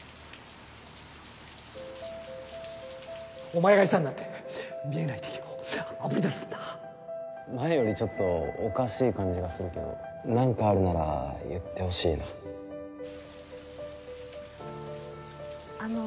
お前が餌になって見えない敵を炙り出すん前よりちょっとおかしい感じがするけど何かあるなら言ってほしいなあの。